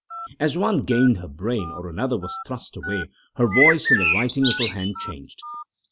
As one gained her brain or another was thrust away, her voice and the writing of her hand changed.